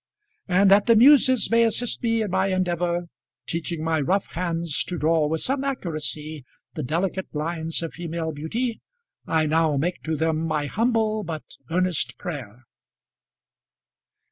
And that the muses may assist me in my endeavour, teaching my rough hands to draw with some accuracy the delicate lines of female beauty, I now make to them my humble but earnest prayer.